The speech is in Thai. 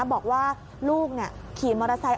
บอกว่าลูกขี่มอเตอร์ไซค์